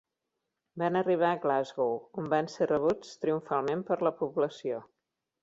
Van arribar a Glasgow, on van ser rebuts triomfalment per la població.